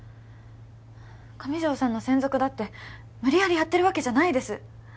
上条さんの専属だって無理やりやってるわけじゃないです